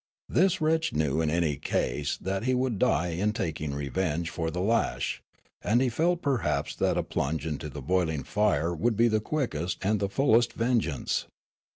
This wretch knew in any case that he would die in taking revenge for the lash, and he felt perhaps that a plunge into the boiling fire would be the quickest and the fullest vengeance.